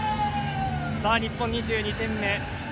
日本、２２点目。